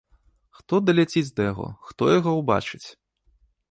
Хто даляціць да яго, хто яго ўбачыць?